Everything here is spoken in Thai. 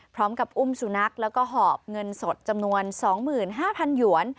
พร้อมกับอุ้มสุนัขแล้วก็หอบเงินสดจำนวน๒๕๐๐หยวน